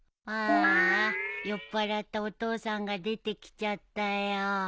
あーあ酔っぱらったお父さんが出てきちゃったよ。